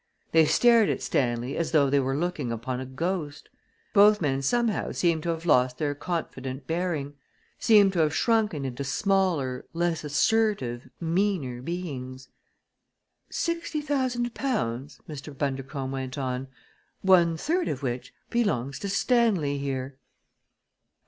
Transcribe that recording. They stared at Stanley as though they were looking upon a ghost. Both men seemed somehow to have lost their confident bearing seemed to have shrunken into smaller, less assertive, meaner beings. "Sixty thousand pounds," Mr. Bundercombe went on "one third of which belongs to Stanley here."